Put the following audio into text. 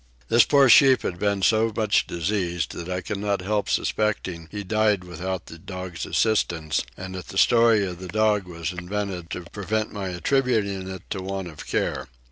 This poor sheep had been so much diseased that I could not help suspecting he died without the dog's assistance, and that the story of the dog was invented to prevent my attributing it to want of care.